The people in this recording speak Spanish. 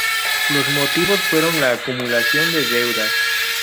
Los motivos fueron la acumulación de deudas.